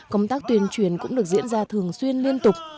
công tác tuyên truyền cũng được diễn ra thường xuyên liên tục